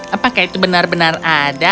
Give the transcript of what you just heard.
apakah itu benar benar ada